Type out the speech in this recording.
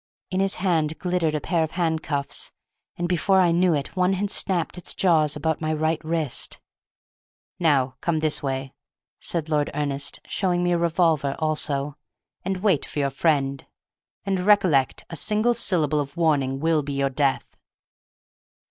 In his hand glittered a pair of handcuffs, and before I knew it one had snapped its jaws about my right wrist. "Now come this way," said Lord Ernest, showing me a revolver also, "and wait for your friend. And, recollect, a single syllable of warning will be your death!"